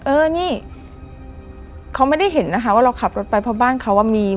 เออนี่เขาไม่ได้เห็นนะคะว่าเราขับรถไปเพราะบ้านเขาอ่ะมี